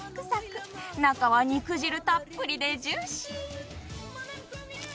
中は肉汁たっぷりでジューシー。